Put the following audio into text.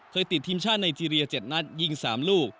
ติดทีมชาติไนเจรีย๗นัดยิง๓ลูก